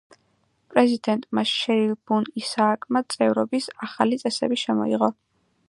პრეზიდენტმა შერილ ბუნ-ისააკმა წევრობის ახალი წესები შემოიღო.